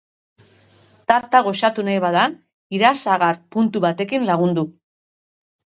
Tarta goxatu nahi bada, irasagar puntu batekin lagundu.